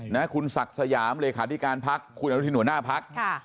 นะคุณศักดิ์สยามเลขาธิการพักคุณอนุทินหัวหน้าพักค่ะ